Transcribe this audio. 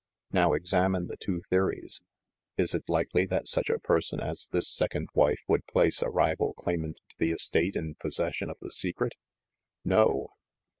Now examine the two theories. Is it likely that such a person as this second wife would place a rival claimant to the estate in pos session of the secret? No.